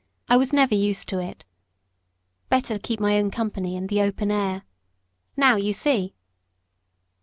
I was never used to it. Better keep my own company and the open air. Now you see."